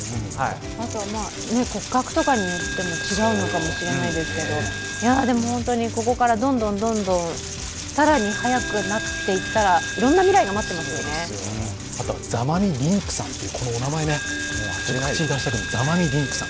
あとは骨格とかによっても違うのかもしれないですけどでもここからどんどん更に速くなっていったら、あとは座間味凜玖さんというこのお名前ね、口に出したくなる、座間味凜玖さん。